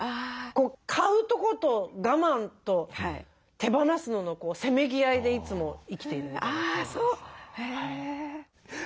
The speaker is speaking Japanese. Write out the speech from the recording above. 買うとこと我慢と手放すののせめぎ合いでいつも生きているみたいな感じです。